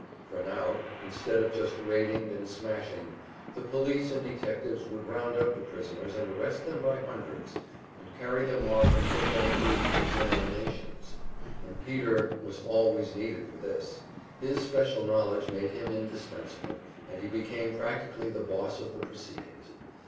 For now, instead of just raiding and smashing, the police and detectives would round up the prisoners and arrest them by hundreds, and carry them off and put them thru "examinations." And Peter was always needed for this; his special knowledge made him indispensable, and he became practically the boss of the proceedings.